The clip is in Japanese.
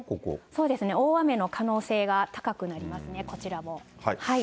そうですね、大雨の可能性が高くなりますね、こちらも。